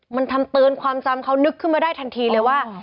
มันทำเตือนความจำเขานึกขึ้นมาได้ทันทีเลยว่า